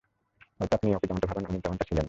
হয়তো আপনি ওকে যেমনটা ভাবেন, উনি তেমনটা ছিলেন না।